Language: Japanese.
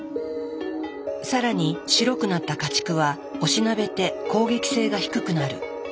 更に白くなった家畜はおしなべて攻撃性が低くなる。